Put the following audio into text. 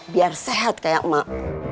biar sehat kayak emak